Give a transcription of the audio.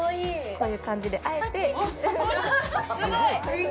こういう感じであえてすごい！